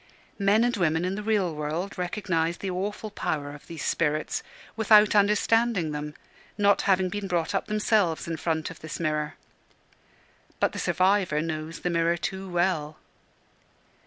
Men and women in the real world recognise the awful power of these spirits, without understanding them, not having been brought up themselves in front of this mirror. But the survivor knows the mirror too well.